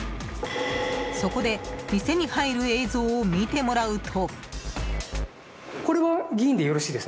そこで、店に入る映像を見てもらうと。